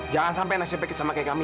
jangan sampai nasibnya kesama kayak kami